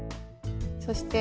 そして。